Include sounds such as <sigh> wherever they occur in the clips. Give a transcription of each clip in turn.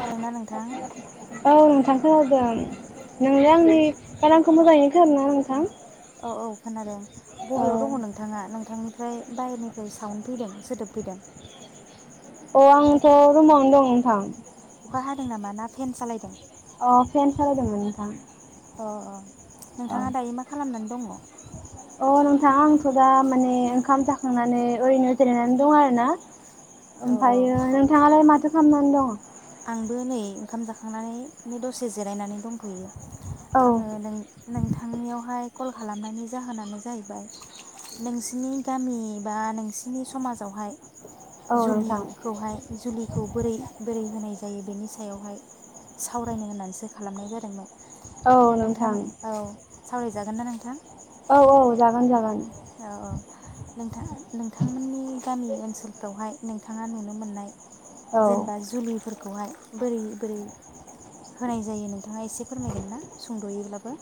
हेलौना नोंथां औ नोंथां <inaudible> खोनादों नोंङो आंनि गारांखौ मोजाङैनो खोनादोंना नोंथां? औ औ खोनादों बबेयाव दङ नोंथाङा नोंथांनि ओमफ्राय बायेरनिफ्राय साउन्ड फैदों सोदोब फैदों। अ आंथ' रुमावनो दं नोंथां। अखा हादों नामा ना फेन सालायदों? अ फेन सालायदोंमोन नोथां। अ अ। नोंथाङा दायो मा खालामनानै दङ। अ नोंथां आंथ' दा माने ओंखाम जाखांनानै ओरैनो जिरायनानै दं आरो ना। औ ओमफ्रायो नोंथाङालाय माथो खालामनानै दं? आंबो नै ओंखाम जाखांनानै दसे जिरायनानै दंथ'यो। औ आङो नों नोंथांनियावहाय कल खालामनायनि जाहोनानो जाहैबाय नोंसिनि गामि बा नोंसिनि समाजावहाय। औ नोंथां जुलिखौहाय जुलिखौ बोरै बोरै होनाय जायो बेनि सायावहाय सावरायनो होननानैसो खालामनाय जादोंमोन। नोंथां औ। सावरायजागोन ना नोंथां? औ औ जागोन जागोन औ औ। नोंथां नोंथांमोननि गामि ओनसोलफ्रावहाय नोंथाङा नुनो मोननाय औ। जेनेबा जुलि खौहाय बोरै बोरै होनाय जायो नोंथाङा एसे फोरमायगोन ना सुंद'योब्लाबो?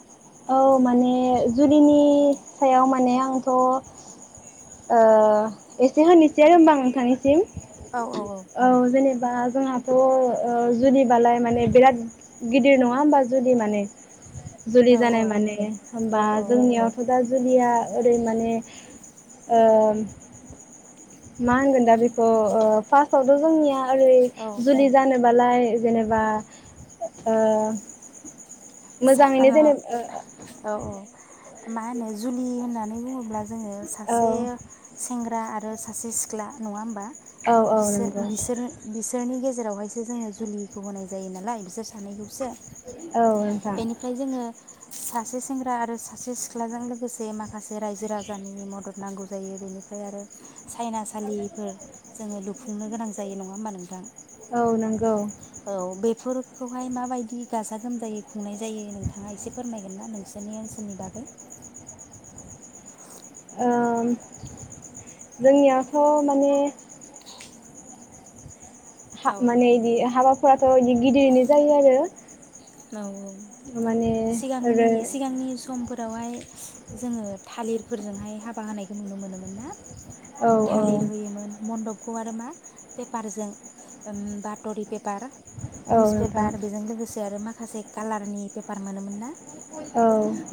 औ माने जुलिनि सायाव माने आंथ' ओ एसे होनोसै आरो हबा नोंथांनिसिम। औ जेनेबा जोंहाथ' ओ जुदिबालाय माने बिराद गिदिर नङा होमबा? जुदि माने औ जानाय मान औ हबा जोंनियावथ' दा। जुलिया ओरै माने मा होनगोन दा बेखौ? फार्स्टआवथ' जोंनिया आरै औ जुलि जानोबालाय जेनेबा मोजाङैनो जेनेबा औ औ। मा होनो जुलि होननानै। बुङोब्ला जोङो औ सासे सेंग्रा ग्रा आरो सासे सिख्ला नङा होमबा? औ औ नंगौ सोरनि ग जेरावहायसो जोङो जुलिखौ होनाय जायो नालाय बिसोर सानैखौसो। <inaudible> नोंथां बेनिफ्राय जोङो सासे सेंग्रा आरो सासे सिख्लाजों लोगोसे माखासे रायजो राजानि मदद नांगौ जायो, बेनिफ्राय आरो सायनासालिफोर जोङो लुफै खुंनो गोनां जायो नङा होमबा नोंथां? औ नंगौ। औ बेफोरखौहाय माबायदि गाजा गोमजायै खुंनाय जायो नोंथाङा एसे फोरमायगोन ना नोंसोरनि ओनसोलनि बागै। जोंनियाथ' माने औ मानेदि हाबा फोरथ' बिदि गिदिरनो जायो आरो। औ औ माने सिगांनि ओरै सिगांनि समफोर फोरावहाय जोङो थालिरफोरजोंहाय हाबा होनायखौ नुनो मोनोमोन ना? औ औ थालिर होयोमोन म्न्दप। बेखौ आरो मा पेपारजों बात'रि पेपार औ निउस नोंथां पेपार बेजों लोगोसे आरो मा माखासे कालारनि पेपार मोनोमोन ना? औ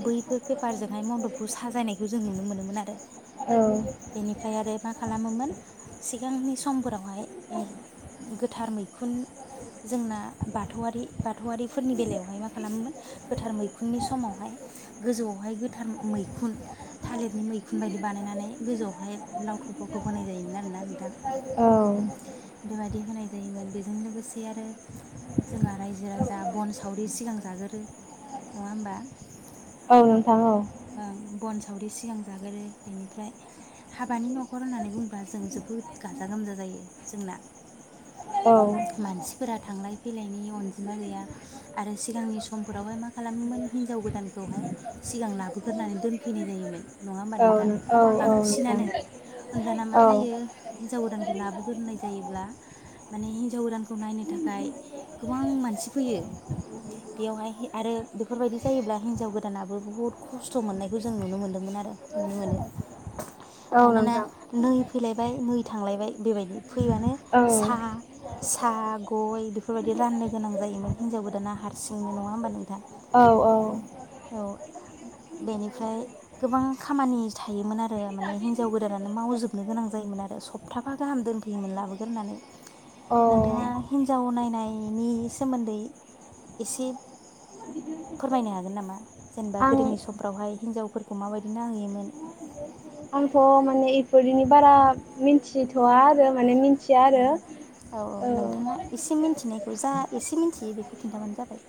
बैफोर पेपारजोंहाय मनडपखौ साजायनायखौ जों नुनो मोनोमोन आरो, औ बेनिफ्राय आरो मा खालामोमोन सि सिगांनि समफोरावहाय गोथार मैखुन, जोंना बाथौआरि बाथौआरि फोरनि बेलायावहाय मा खालामोमोन गोथार मैखुननि समावहाय गोजौआवहाय गोथार मैखुन थालिरनि मैखुन बायदि बानायनानै गोजौआवहाय लावथब बावथब होनोनाय जायोमोन आरोना नोंथां। औ बेबायदि होनाय जायोमोन बेजों लोगोसे आरो जोंहा राइजो राजा जा बन सावरि सिगां जागोरो। नङा होमबा? औ नों ओं बन सावरि सिगां जागोरो बेनिफ्राय हाबानि न'खर होननानै बुंङोबा जों जोबोद गाजा गोमजा जायो जोंना। मानसिफोरा थांलाय फैलायनि अनजिमा गैया आरो सिगांनि समफोरावहाय मा खालामोमोन हिनजाव गोदानखौहाय सिगां लाबोगोरनानै दोनफैनाय जायोमोन। नङा होमबा औ नोंथां? औ औ नोंथां बांसिनानो होमब्लाना मा औ जायो हिनजाव गोदान लाबोगोरनाय जायोब्ला माने हिनजाव गोदानखौ नायनो थाखाय गोबां मानसि फैयो। बेयावहाय आरो बेफोरबायदि जायोब्ला हिनजाव गोदानाबो बुहुद खस्थ' मोननायखौ जों नुनो मोन्दोंमोन आरो नुनो मोनो। औ मानोना नोंथां नै फैलायबाय नै थांलायबाय बेबायदि। फैबानो औ औ साहा साहा गय बेफोरबायदि राननो गोनां जायोमोन हिनजाव गोदाना हारसिंनो नङा होमबा नोंथां? औ औ। औ बेनिफ्राय गोबां खामानि थायोमोन आरो माने हिनजाव गोदानानो मावजोबनो गोनां जायोमोन आरो सप्ताफा गाहाम दोनफैयोमोन लाबोगोरनानै। औ नोंथाङा हिनजाव नायनायनि सोमोन्दै एसे फोरमायनो हागोन नामा? जेनेबा आं गोदोनि समफ्रावहाय हिनजावफोरखौ माबायदि नाहैयोमोन? आंथ' माने इफोरनो बारा मिन्थिथ'आ आरो माने मिनथिया औ आरो। औ। खौ जा एसे मिन्थियो बेखौ खिन्थाबानो जाबाय।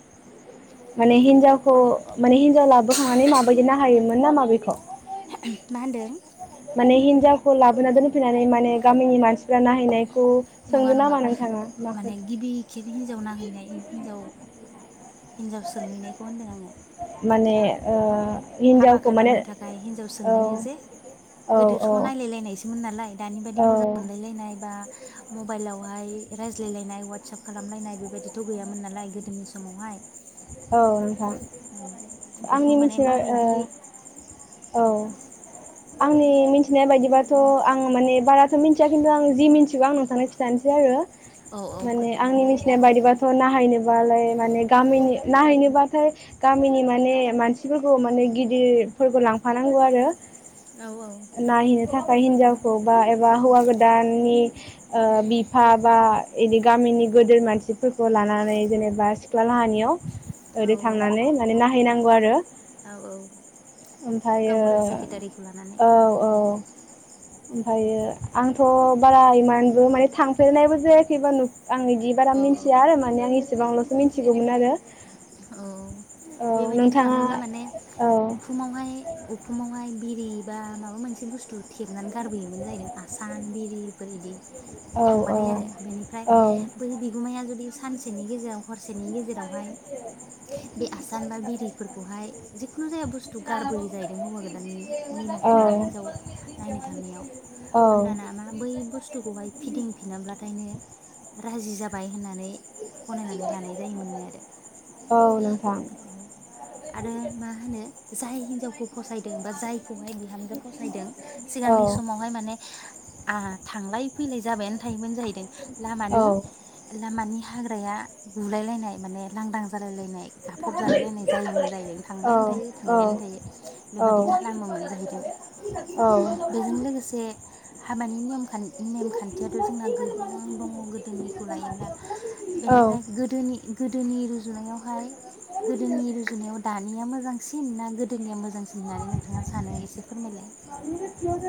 माने हिन्जावखौ माने हिन्जाव लाबो खांनानै माबाया हायोमोन नामा बेखौ? मा होनदों? माने हिनजावखौ लाबोना दोनफैनानै माने गामिनि मानसिफ्रा नाहैनाय बेखौ नङा सोंदो नङा नामा नोंथाङा माखौ माने गिबि हिनजाव नाहैनाय हिनजाव हिनजाव सोंहैनायखौ होनदों आङो। माने ओ हाबा हिनजावखौ माने खालामनो थाखाय हिनजाव औ सोंहैयो जे औ गोदोथ' औ नायलायलायनायसोमोन नालाय दानि बादि औ मोजां मोनलायलायनाय बा मबाइलावहाय रायज्लायलायनाय वाटसप खालामलायनाय बेबायदिथ' गैयामोन नालाय गोदोनि समावहाय। औ। नोंथां औ आंनि बेखौ माने मिथिनाय ओ माबायदियै औ आंनि मिन्थिनाय बायदिबाथ' आं माने बाराथ' मिन्थिया खिन्थु आं जि मिन्थिगौ आं नोंथांनो खिन्थानोसै आरो। औ औ माने आंनि फोरमायनानै होलाय मिन्थिनाय बायदिबाथ' नाहैनोबालाय माने गामिनि थायनोबाथाय गामिनि माने मानसिफोरखौ माने गिदिरफोरखौ लांफानांगौ आरो औ औ नायहैनो थाखाय हिन्जावखौ बा एबा हौवा गोदाननि बिफा बा बिदि गामिनि गोदेर मानसिफोरखौ लानानै जेनेबा सिख्ला लाहानियाव औ ओरै थांनानै माने नायहैनांगौ गौ आरो औ औ ओमफ्रायो गावबुरा सेक्रेटारिखौ लानानै औ ओमफ्रायो आंथ' बारा इमानबो माने थांफेरनायबो जायाखैबा नु आं बिदि बारा औ औ मिथिया आरो माने आं बेसेबांल'सो मिथिगौमोन आरो औ औ बेबायदि नोंथाङा थाङोब्ला माने औ उखुमावहाय उखुमावहाय बिरि बा माबा मोनसे बुस्थु थेबनानै गारबोयोमोन जाहैदों आसान बिरिफोर इदि औ थांबाथाय आरो बेनिफ्राय औ बै बिगुमाया जुदि सानसेनि गेजेराव हर दसेनि गेजेरावहाय बे आसान बा बिरिफोरखौहाय जिखुनु जाया बुस्थु गारबोयोै जाहैदों हौवा गोदाननि न'खरा हिनजाव नायनो थांनायाव औ औ होनदाना मा बै बुस्थुखौहाय फिदिंफिनब्लाथाय नो राजि जाबाय होननानै गनायनानै लानाय जायोमोननो आरो औ नोंथां औ आरो मा होनो जाय हिन्जाव फसायदों बा जायखौहाय बिहामजो फसायदों सिगांनि औ समावहाय माने आ थांलाय फैलाय जाबायानो थायोमोन जाहैदों लामानि औ लामानि हाग्राया गुलायलायनाय माने लांदां <unintelligible> गाफब जालायलायनाय जायोमोन जाहैदों औ थांबायानो थायो औ थांबायानो थायो औ बेबादि खालामोमोन जाहैदों औ बेजों लोगोसे हाबानि नियम खान नेमखान्थियाथ' जोंना गोबां दङ गोदोनिखौ लायोब्ला बेनिफ्राय गोदोनि गोदोनि बेवहाय गोदोनि रुजुनायाव दानिया मोजांसिन ना गोदोनिया मोजांसिन होननानै नोंथाङा सानो एसे फोरमायलाय?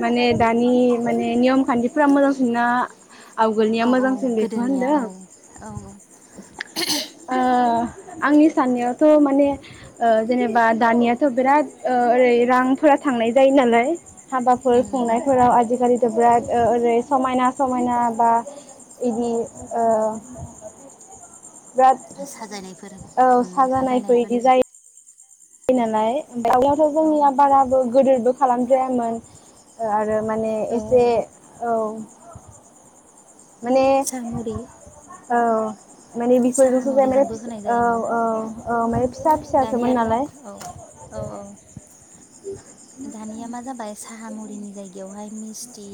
माने दानि माने नियम खान्थिफोरा मोजांसिनना औ औ गोदोनिया औ औ औ ओ आंनि साननायावथ' माने ओ जेनोबा दानियाथ' बिराद ओ ओरै रांफोरा थांनाय जायो नालाय हाबाफोर उम उम खुंनायफोराव आजिखालि थ' बिराद ओ-ओरै समायना समायना बा बिदि ओ साजायनायफोर बिराद औ उम साजानायफोर साजायनायफोर इदि जायो नालाय दानियाथ' औ जोंनिया बाराबो गोदोरबो खालाम जायामोन ओ आरो माने औ एसे औ माने साहामुरि औ माने बिफोरजोंसो जाय माने साहामुरिजोंबो होनाय औ जायोमोन ना औ औ माने फिसा फिसासोमोन दानिया आरो नालाय औ औ औ दानिया मा जाबाय साहा मुरिनि जायगायावहाय मिस्थि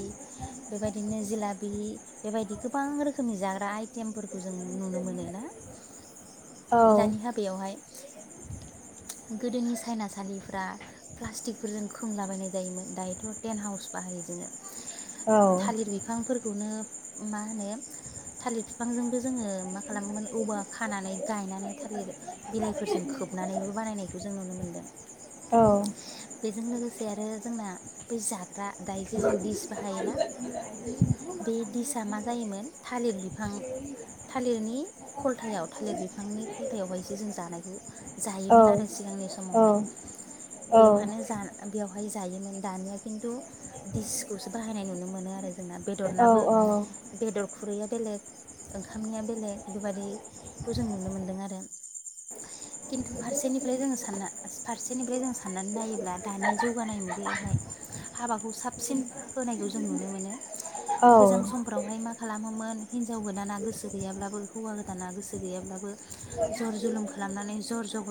बेबायदिनो जिलाबि बेबायदि गोबां रोखोमनि जाग्रा आइटेमफोर खौ जों नुनो मोनोना औ दानि हाबायावहाय गोदोनि सायनासालिफ्रा प्लास्टिकफोरजों खोंलाबायनाय जायोमोन दायोथ' टेन्ट हाउस बाहायो जोङो। औ थालिर बिफांफोर खौनो मा होनो थालिर बिफांजोंबो जोङो मा खालामोमोन औवा खानानै गायनानै थालिर बिलाइफोरजों खोबनानैबो खालायनायखौ जों नुनो मोनदों। औ बेजों लोगोसे आरो जोंना ना बै जाथ ग्रा दायोजे जों डिस बाहायोना बे दिसा मा जायोमोन थालिर बिफां थालिरनि खलथायाव थालिर बिफांनि खलथायावहायसो जों जानायखौ जायो औ मोन आरो सिगांनि समावहाय औ औ बेवहायनो जा बेवहाय जायोमोन दानिया खिन्थु दिसखौसो बाहायनाय नुनो मोनो आरो जोंना बेदरनाबो बेदर खुरैआ बेेलेग ओंखामनिया बेलेग बेबादिखौ जों नुनो मोनदों आरो। फारसेनिफ्राय जोङो सानना फारसेनिफ्राय जों साननानै नायोब्ला दानि जौगानाय मुगायावहाय हाबाखौ साबसिन होनायखौ जों नुनो मोनो औ औ गोजाम समफ्रावहाय मा खालामोमोन हिन्जाव गोदाना गोसो गैयाब्ला बो होवा गोद दाना गोसो गैयाब्लाबो जर जुलुम खालामनानै जर जग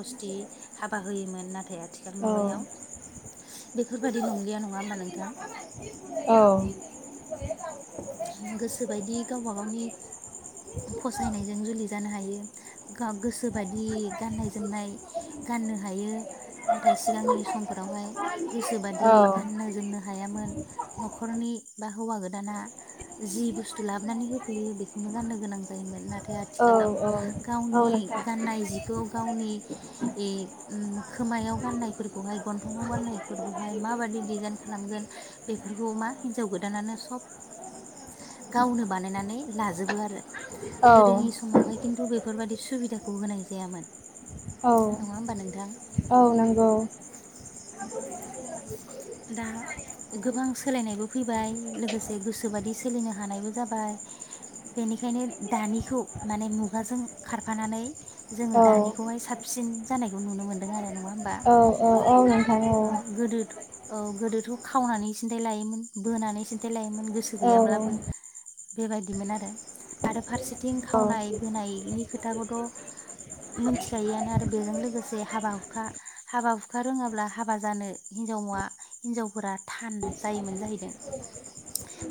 हाबा होयोमोन नाथाय आथिखाल औ मुगायाव औ बेफोरबायदि नंलिया नङा होमबा नोंथां औ गोसोबायदि गावबा गावनि फसायनायजों जुलि जानो हायो गाव गोसोबादि गाननाय जोमनाय गाननो हायो नाथाय सिगांनि समफोरावहाय गोसोबादि गाननो जोमनो हायामोन न'खरनि दा हौवागो दाना जि बुस्थु लाबोनानै होफैयो बेखौनो गाननो गोनां जायोमोन नाथाय आथिखालाव गावनि नोंथां गाननाय जिखौ गावनि ए ओ खोमायाव गाननायफोरखौहाय गन्थंवा गाननायफोरखौहाय माबायदि डिजाइन खालामगोन बेफोरखौ मा हिनजाव गोदानानो सब गावनो बानायनानै लाजोबो आरो औ <inaudible> गोदोनि समावहाय खिन्थु बेफो बेफोरबादि सुबिदाखौ होनाय जायामोन। औ नङा होमबा नोंथां औ नंगौ <inaudible> दा गोबां सोलायनायबो फैबाय लोगोसे गोसोबादि सोलिनो हानायबो जाबाय बेनिखायनो दानिखौ माने मुगाजों खारफानानै जोङो औ दानिखौहाय साबसिन जानाय नुनो मोनदों आरो नङा होमबा औ औ ओ औ नोंथां औ औ गोदोथ' खावनानै सिन्थाय लायोमोन बोनानै सिन्थाय लायोमोन गोसो औ गैयाब्लाबो बेबायदिमोन आरो आरो फार सेथिं खावनाय बोनायनि बे खोथाखौथ' मोनथिखायोआनो आरो बेजों लोगोसे हाबा हुखा हाबा हुखा रोङाब्ला हाबा जानो हिनजावा हिनजावफोरा थान जायोमोन जाहैदों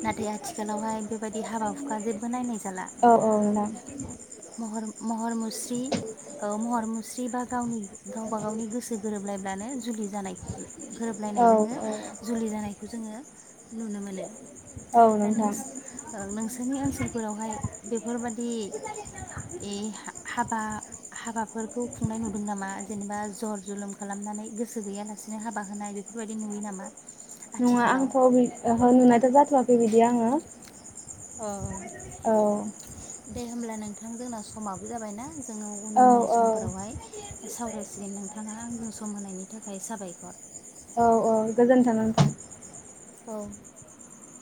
नाथाय आथिखालावहाय बेबायदि हाबा हुखा जेब्बो नायनाय जाला औ ओं नोंथां महर महर मुस्रि औ महर मुस्रि बा गावनि गावबा गावनि गोसो गोरोबलायब्लानो जुलि जानाय औ गोरोबलायनायजोंनो जुलि जानाय जोङो नुनो मोनो औ औ ओ नोंस नोंथां नोंस नि ओनसोलफोरावहाय बेफोरबादि ए हा-हाबा-हाबाफोरखौ खुंनाय नुदों नामा जेनेबा जर जुलुम खालामनानै गोसो गैयालासेनो हाबा होनाय बेफोरबायदि नुयो नामा? नङा आथिखालाव आंथ' बि ओहो नुनायथ' जा थ'वाखै बिदि आङो अ औ दे होमब्ला नोंथां जोंना समाबो जाबायना जोङो औ उननि औ समफोरावहाय सावरायसिगोन नोंथाङा आंजों सम होनायनि थाखाय साबायखर। औ गोजोनथों नोंथां औ